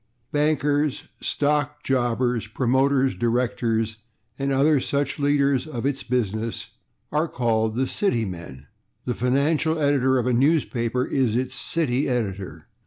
Bankers, stock jobbers, promoters, directors and other such leaders of its business are called /City/ men. The financial editor of a newspaper is its /City/ editor.